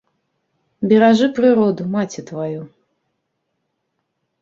Беражы прыроду, маці тваю!